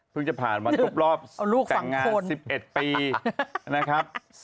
เพิ่งจะผ่านวันรอบแต่งงาน๑๑ปีนะครับ